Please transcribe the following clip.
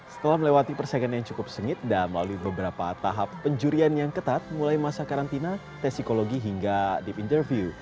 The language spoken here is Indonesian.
setelah melewati persaingan yang cukup sengit dan melalui beberapa tahap penjurian yang ketat mulai masa karantina tes psikologi hingga deep interview